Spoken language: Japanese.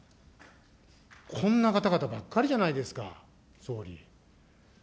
こんな方々ばっかりじゃないですか、総理。